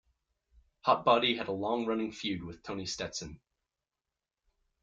Hotbody had a long-running feud with Tony Stetson.